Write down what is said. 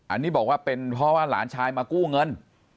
อันนี้บอกว่าเป็นเพราะว่าหลานชายมากู้เงิน